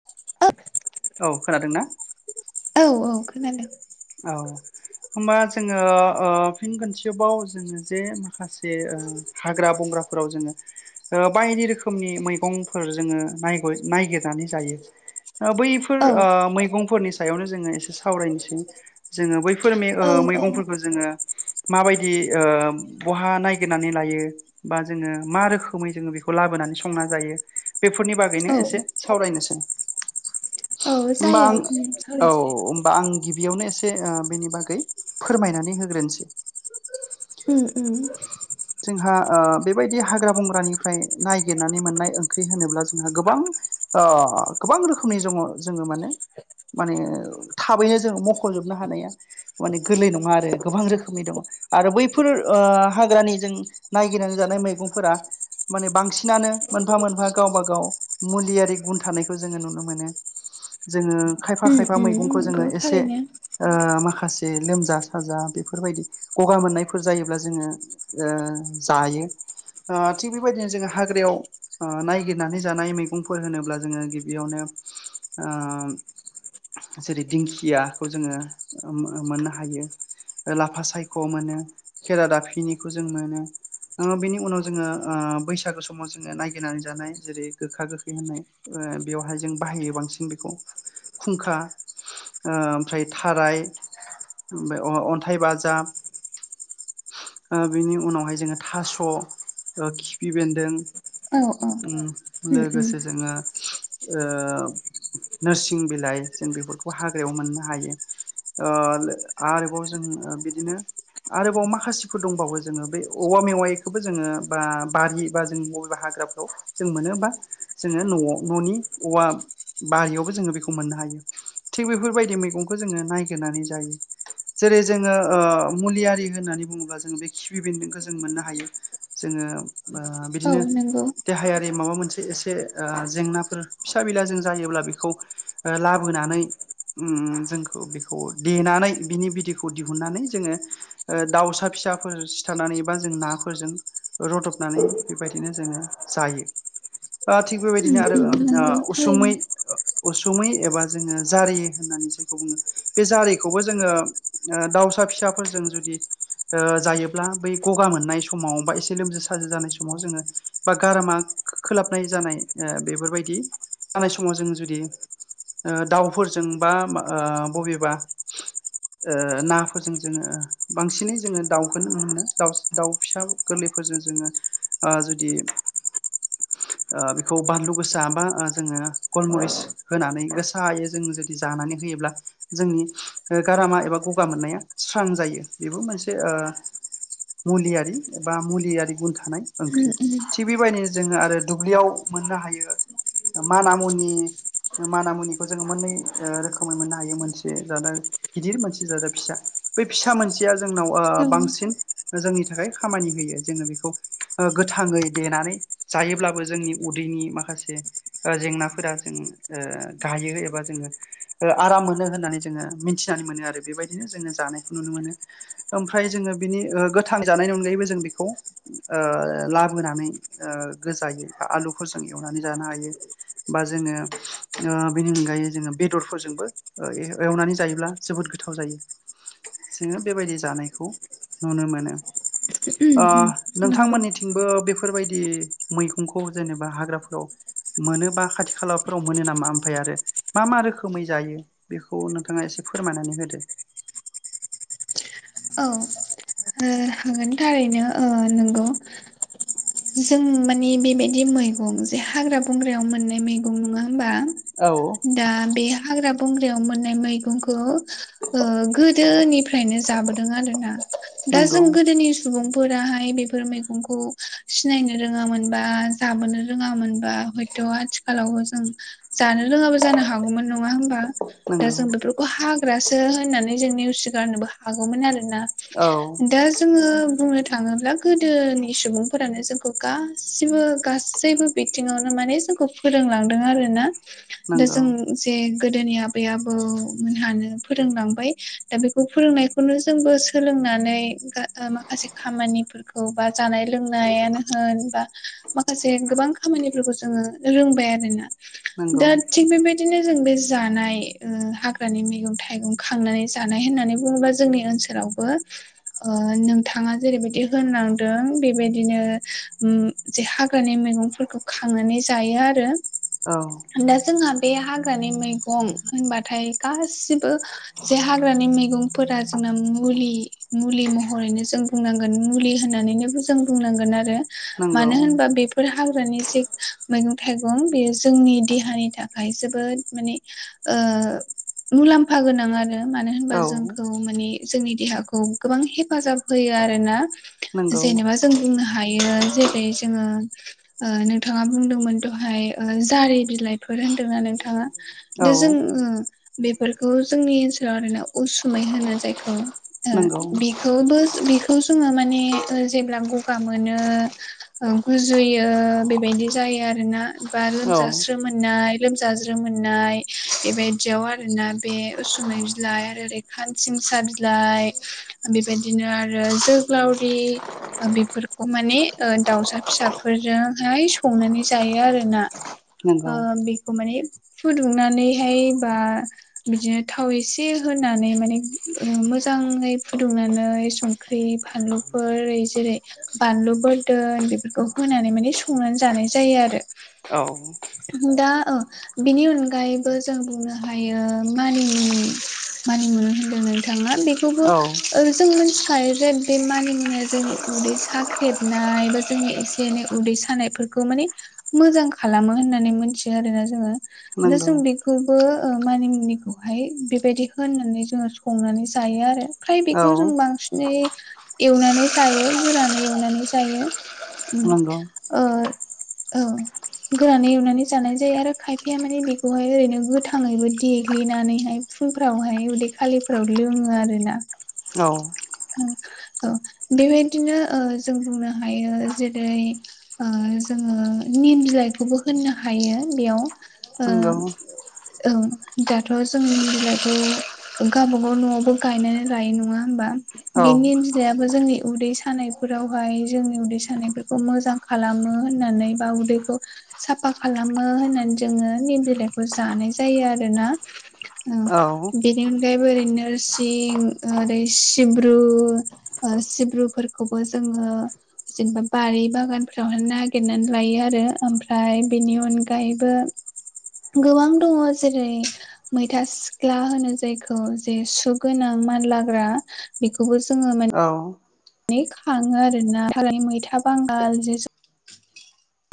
[unintelligible] औ खोनादों ना? औ औ खोनादों। औ। होमबा जोङो ओ फिन खोनसेबाव जोङो जे माखासे ओ हाग्रा बंग्राफोराव जोङो ओ बायदि रोखोमनि मैगंफोर जोङो नायगय नागिरनानै जायो। ओ बैफोर औ ओ मैगंफोरनि सायावनो जोङो एसे सावरायनोसै। जोङो बैफोर मे ओ औ मैगंफोरखौ जोङो माबायदि ओ बहा नायगिरनानै लायो? बा जोङो मा रोखोमै जोङो बेखौ लाबोनानै संना जायो? बेफोरनि बागैनो औ एसे सावरायनोसै। औ होमबा जायो आं उम औ सावराय जायो होमबा आं बेयावनो एसे ओ बेनि बागै फोरमायनानै होग्रोनसै। उ उ। जोंहा ओ बेबायदि हाग्रा बंग्रानिफ्राय नायगिरनानै मोननाय ओंख्रि होनोब्ला जोंहा गोबां ओ गोबां रोखोमनि जङ जोङो माने माने थाबैनो जोङो ख'जोबनो हानाया माने गोरलै नङा आरो गोबां रोखोमनि दङ। आरो बैफोर ओ हाग्रानि जों नायगिरनानै जानाय मैगंफोरा माने बांसिनानो मोनफा मोनफा गावबा गाव मुलियारि गुन थानायखौ जोङो नुनो मोनो। जोङो खायफा उम खायफा उम मैगंखौ नंगौ जोङो एसे थारैनो ओ माखासे लोमजा साजा बेफोरबायदि गगा मोननायफोर जायोब्ला जोङो ओ जायो ओ थिग बेबायदिनो जोङो हाग्रायाव ओ नायगिरनानै जानाय मैगंफोर होनोब्ला जोङो गिबियावनो ओ जेरै दिंखियाखौ जोङो मो-मोननो हायो।। लाफा सायख' मोनो, खेरा दाफिनिखौ जों मोनो। ओ बेनि उनाव जोङो ओ बैसागो समाव जोङो नायगिरनानै जानाय जेरै गोखा गोखै होननाय ओ बेवहाय जों बाहायो बांसिन बेखौ खुंखा ओ ओमफ्राय थाराय ओमफाय अ-अन्थाइ बाजाब ओ बिनि उनावहाय जोङो थास' ओ खिफि बेन्दों औ औ। उम उम उम लोगोसे जोङो ओ नोरसिं बिलाइ जों बेफोरखौ हाग्रायाव मोननो हायो ओ आरोबाव जों ओ बिदिनो आरोबाव माखासेफोर दंबावो जोङो बेै औवा मेवायखौबो जोङो बा बारि बा जों बबे हाग्राफ्राव जों मोनोबा जोङो न'आव न'नि औवा बारियावबो जोङो बेखौ मोननो हायो। थिग बेफोरबायदि मै गंखौ जोङो नायगिरनानै जायो। जेरै जोङो ओ मुलियारि होननानै बुङोब्ला जोङो बे खिफि बेन्दोंखौ जों मोननो हायो। जोङो ओ औ बिदिनो नंगौ देहायारि माबा मोनसे एसे ओ जेंनाफोर फिसा बिला जों जायोब्ला बेखौ ओ लाबोनानै उम जोंखौ बेखौ देनानै बिनि बिदैखौ दिहुननानै जोङो ओ दाउसा फिसाफोर सिथारनानै बा जों नाफोरजों रदबनानै बेबायदिनो जोङो जायो। ओ थिग उम बेबायदिनो आरो उम ओ नंगौ ओ थारैनो उसुमै उसुमै एबा जोङो जारि होननानैसै बुङो। बे जारिखौबो जोङो ओ दाउसा फिसाफोरजों जुदि ओ जायोब्ला बै गगा मोननाय समाव बा एसे लोमजा साजो जानाय समाव जोङो बा गारामा खोलाबनाय जानाय बेफोरबायदि जानाय समाव जों जुदि आ दाउफोरजों बा आ बबेबा ओ नाफोरजों जोङो बांसिनै जोङो दाउखौ नुनो मोनो दा-दाउ फिसा गोरलैफोरजों जोङो आ जुदि [inaudible] ओ बेखौ बानलु गोसा बा जोङो गलमरिस होनानै गोसायै जों जुदि जानानै होयोब्ला जोंनि गारामा एबा गगा मोननाया स्रां जायो बेबो मोनसे ओ मुलियारि बा मुलियारि गुन थानाय उम ओंख्रि। उम थिग बेबायदिनो जोङो आरो दुब्लियाव मोननो हायो। मान मुनि माना मुनिखौ जोङो मोननै ओ रोखोम मै मोननो हायो। मोनसे जादों गिदिर मोनसे जादों फिसा। बै फिसा मोनसेया जोंनाव ओ औ बांसिन जोंनि थाखाय खामानि होयो जोङो बेखौ गोथाङै देनानै जायोब्लाबो जोंनि बदिनि माखासे ओ जेंनाफोरा जों ओ गायो एबा जोङो ओ आराम मोनो होननानै जोङो मिथिनानै मोनो आरो बेबायदिनो जोङो जानायखौ नुनो मोनो। ओमफ्राय जोङो बिनि ओ गोथां जानायनि अनगायैबो जों बेखौ ओ लाबोनानै ओ गोजायै बा आलुफोरजों एवनानै जानो हायो। बा जोङो ओ बेनि अनगायै जोङो बेदर फोरजोंबो ओ एवनानै जायोब्ला जोबोद गोथाव जायो। जोङो बेबायदि जानायखौ नुनो मोनो। उम अ उम नंगौ नोंथांमोननिथिंबो बेफोरबायदि मैगंखौ जेनेबा हाग्राफोराव मोनोबा खाथि खालाफोराव मोनो नामा ओमफ्राय आरो मा मा रोखो रोखोमै जायो बेखौ नोंथाङा एसे फोरमायनानै होदो। औ। ओ थारैनो ओ नोंगौ। जों माने बेबायदि मैगं जे हाग्रा बंग्रायाव मोननाय मैगं नङा होमबा? औ। दा बे हाग्रा बंग्रायाव मोननाय मैगंखौ ओ गोदोनिफ्रायनो जाबोदों आरोना। दा नंगौ जों गोदोनि सुबुंफोराहाय बेफोर मैगंखौ सिनायनो रोङामोनबा जाबोनो रोङामोनबा हयथ' आथिखालावबो जों जानो रोङाबो जानो हागौमोन। नङा होमबा? दा नंगौ जों बेफोरखौ हाग्रासो होननानै जों नेवसि गारनोबो हागौमोन आरोना। औ। दा जोङो बुंनो थाङोब्ला गोदोनि सुबुं फोरानो जोंखौ गासिबो गासैबो बिथिङावनो माने जोंखौ फोरोंलांदों आरो ना। दा नंगौ जों जे गोदोनि आबै आबौ मोनहानो फोरोंलांबाय दा बेखौ फोरोंनाय खौनो जोंबो सोंलोंनानै गा माखासे खामानिफोरखौ बि जानाय रोंनायानो होन बा माखासे गोबां खामानिफोरखौ जोङो रोंबाय आरोना। नंगौ दा थिग बेबा दिनो जों बे जानाय ओ हाग्रानि मैगं थाइगं खांनानै जानाय होननानै बुङोबा जोंनि ओनसो लावबो ओ नोंथाङा जेरैबायदि होनलांदों बेबायदिनो ओ जे हाग्रानि मैगंफोरखौ खांनानै जायो आरो। औ दा जोंहा बे हाग्रानि मैगं होनबाथाय गासिबो जे हाग्रानि मैगं फोरा जोंना मुलि मुलि महरैनो जों बुंनांगोन मुलि होननानैनो जों बुंनांगोन आरो नंगौ मानो होनबा बेफोर फोर हाग्रानि जि मैगं थाइगं बेयो जोंनि देहानि थाखाय जोबोद माने ओ मुलाम्फा गोनां आरो नो मानो होनबा औ जोंखौ माने जोंनि देहाखौ गोबां हेफाजाब होयो आरोना नंगौ जेनेबास जों बुंनो हायो जेरै जोङो ओ नोंथाङा बुंदोंमोन दहाय ओ जारि बिलाइफोर होनदोंना नोंथाङा दा जों औ ओ बेफोरखौ जोंनि ओनसोलाव आरैनो उसुमै होनो जायखौ ओ नंगौ बि बिखौबोस बिखौ जोङो माने ओ जेब ब्ला गगा मोनो ओ गुजुयो बेबायदि जायो आरो ना बा औ लोमजास्रो मोन नाय लोमजाज्रोम मोननाय बेबायदियाव आरोना बे उसुमै बिलाइ आरो खानसिं सा बिलाइ बेबायदिनो आरो जोग्लावरि ओ बेफोरखौ माने ओ दाउसा फिसाफोरजोंहाय संनानै जायो आरोना। नंगौ ओ बेखौ माने फुदुंनानैहाय बा बिदिनो थाव एसे होनानै माने ओ मोजाङै फुदुंनानै सं ख्रि फानलुफोर ओरैस जेरै बानलु बोरदोन बेफोरखौ होनानै माने संनानै जानाय जायो आरो औ दा ओ बिनि अनगायैबो जों बुंनो हायो मानिमुनि मानि मुनो होनदों नोंथाङा बेग खौबो औ ओ जों मिथिखायो जे बे मानि मुनिया जोंनि उदै साख्रेबनाय बा जोंनि एसे एनै उदै सानायफोरखौ माने मोजां खालामो होननानै मिथियो आरोना जोङो दा नंगौ जों बेख खौबो ओ मानिमुनिखौहाय बेबायदि होननानै जोङो संनानै जायो आरो फ्राय बेखौ जों औ बांसिनै एवनानै जायो गोरानै एवनानै जायो उम नंगौ ओ औ गोरानै एवनानै जानाय जायो आरो खायफाया माने बेखौहाय ओरैनो गोथाङैबो देग्लिनानैहाय फुं फोरावहाय उदै खालिफोराव लोङो आरो ना औ उम औ बेबायदिनो जों बुंनो हायो जेरै ओ जोङो निम बिलायखौबो होननो हायो बेयाव ओ नंगौ औ दाथ' जों निम बिलाइखौ गावबागाव न'आवबो गायनानै लायो नङा होमबा बे औ निमबालायाबो जोंनि उदै सा सानायफोरावहाय जोंनि उदै सानायफोरखौ मोजां खालामो होननानै बा उदैखौ साफा खालामो होननानै जोङो निम बिलाइखौ जानाय जायो आरोना औ बे बेनि अनगायैबो ओरै नोरसिं ओरै सिब्रु ओ सिब्रुफोर खौबो जोङो जेनेबा बारि बागानफ्रावहाय नागिरनानै लायो आरो ओमफ्राय बेनि अनगायैबो गोबां दङ जेरै मैथा सिख्ला होनो जायखौ जे सुगोनां मानलाग्रा बिखौबो जोङो माने औ नि खाङो आरो ना हाग्रानि मैथा बांगाल जे जो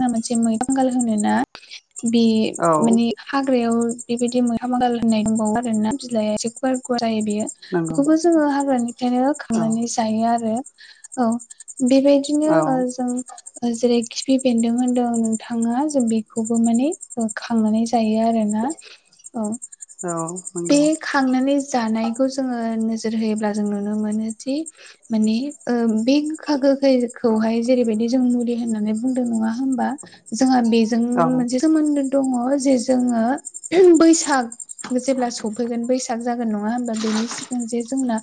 आ मोनसे मैथा बांगाल होनो ना बे औ माने हाग्रायाव बेबायदि मैथा बांगाल होननाय दंबावो आरोना बिलाइआ एसे फोरखौहाय बेयो नंगौ बेखौबो जोङो हाग्रानिफ्रायनो औ खांनानै जायो आरो औ बेबायदिनो ओ औ जों जेरै खिफ फि बेन्दों होनदों नोंथाङा जों बेखौबो माने खांनानै जायो आरोना। औ औ बे नंगौ खांनानै जानायखौ जोङो नोजोर होयोब्ला जों नुनो मोनोदि माने ओं बे गोखा गोखैखौहाय जेरैबायदि जों मुलि होननानै बुंदों नङा होमबा जोंहा बेजों औ मोनसे सोमोन्दो दङ जे जोङो बैसाग जेब्ला सौफैगोन बैसाग जागोन नङा होमबा बेनि सिगां जे जोंना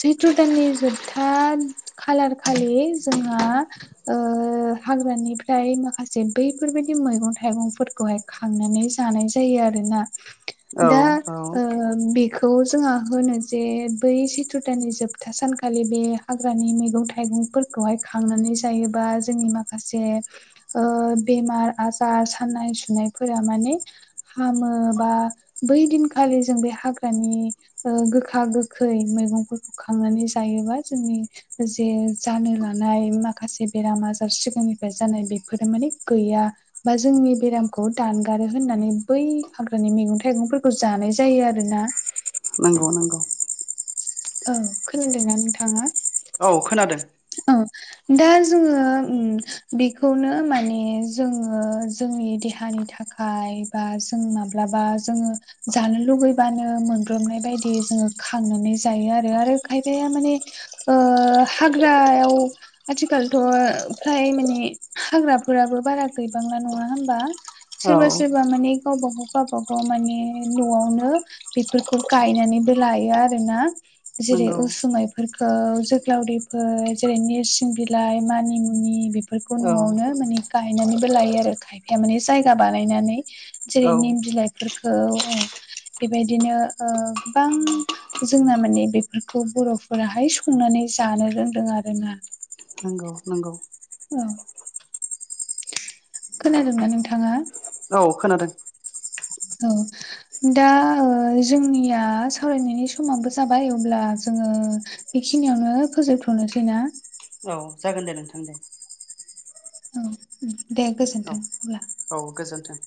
सैत्र दाननि जोबथा खालार खालि जोंहा ओ हाग्रानिफ्राय माखासे बैफोरबायदि मैगं थाइगंफोरखौहाय खांनानै जानाय जायो आरोना। औ दा ओ औ बेखौ जोंहा होनो जे बै सैत्र दाननि जोब था सानखालि बे हाग्रानि मैगं थाइगंफोरखौहाय खांनानै जायोबा जोंनि मा खासे ओ बेमार आजार सानाय सुनायफोरा माने हामो बा बै दिनखालि जों बे हाग्रानि ओ गोखा गो खै मैगंफोरखौ खांनानै जायोबा जोंनि जे जानो लानाय माखासे बेराम आजार सिब फोरनिफ्राय जानाय बेफोरो माने गैया बा जोंनि बेरामखौ दानगारो होननानै बै हाग्रानि मैगं थाइगंफोरखौ जानाय जायो आरोना। नंगौ नंगौ। ओं खोनादोंना नोंथाङा? औ खोनादों। औ दा जोङो बेखौनो माने जोङो जोंनि देहानि थाखाय फाय बा जों माब्लाबा जोङो जानो लुुगैबानो मोनब्रबनाय बायदि जोङो खांनानै जायो आरो आरो खायफाया माने आ हाग्रायाव आथिखालथ' फ्राय माने हाग्राफोराबो बारा गैबांला नङा होमबा? औ सोरबा सोरबा माने गावबागाव गावबागाव माने न'आवनो बेफोरखौ गायनानैबो लायो आरोना। जेरै नंगौ उसुमायफोरखौ जोग्लावरि जेरै नेरसिं बिलाइ मानिमुनि बेफोरखौ औ न'आवनो माने गायनानैबो लायो आरो। खायफाया माने जायगा बानायनानै जेरै औ निम बिलाइफोरखौ औ बेबायदिनो गोबां जोंना माने बेफोरखौ बर'फोराहाय संनानै जानो रोंदों आरोना। नंगौ नंगौ। औ खोनादोंना नोंथाङा? औ खोनादों। औ दा जोंनिया सावरायनायनि समाबो जाबाय अब्ला जोङो बेखिनियावनो फोजोबथ'नोसै ना? औ जागोन दे नोंथां दे। औ दे औ गोजोनथों अब्ला। औ गोजोन्थों।